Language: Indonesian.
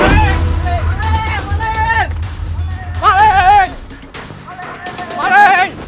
untuk mem wirdi